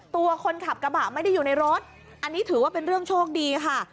ตัวคนขับกระบะไม่ได้อยู่ในรถอันนี้ถือว่าเป็นเรื่องโชคดีค่ะ